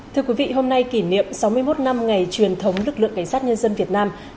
thưa quý vị hôm nay kỷ niệm sáu mươi một năm ngày truyền thống lực lượng cảnh sát nhân dân việt nam